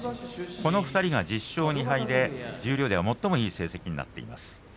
この２人が１０勝２敗で十両では最もいい成績になっています。